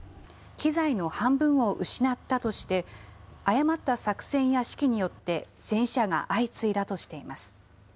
機材の半分を失ったとして、誤った作戦や指揮によって戦死者が相次いだとしています。